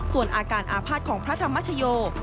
ส่วนอาการอาภาษณ์ของพระธรรมชโย